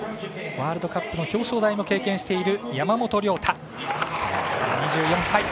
ワールドカップの表彰台も経験している山本涼太、２４歳。